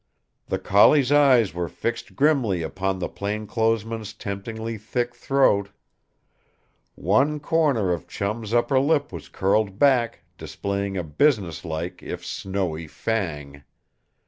The collie's eyes were fixed grimly upon the plainclothes man's temptingly thick throat. One corner of Chum's upper lip was curled back, displaying a businesslike if snowy fang.